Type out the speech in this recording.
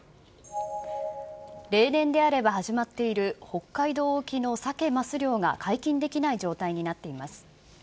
例年であれば始まっている北海道沖のサケ・マス漁が解禁できない状態になっています。